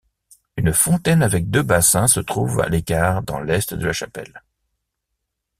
Une fontaine avec deux bassins se trouve à l'écart dans l'est de la chapelle.